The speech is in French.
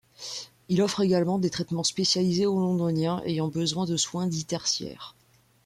Il offre également des traitements spécialisés aux Londoniens ayant besoin de soins dits tertiaires.